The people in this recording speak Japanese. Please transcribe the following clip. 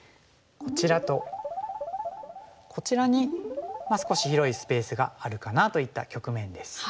こちらとこちらに少し広いスペースがあるかなといった局面です。